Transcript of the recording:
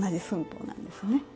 そうなんですね。